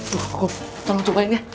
zut kom tolong cobain ya